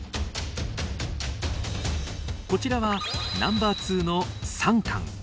こちらはナンバー２のサンカン。